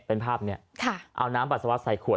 เป็นภาพนี้เอาน้ำปัสสาวะใส่ขวด